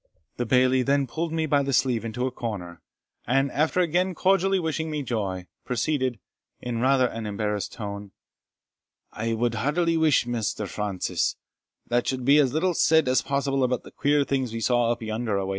The Bailie then pulled me by the sleeve into a corner, and, after again cordially wishing me joy, proceeded, in rather an embarrassed tone "I wad heartily wish, Maister Francis, there suld be as little said as possible about the queer things we saw up yonder awa.